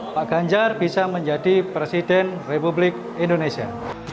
pak ganjar bisa menjadi presiden republik indonesia